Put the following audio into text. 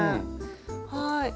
はい。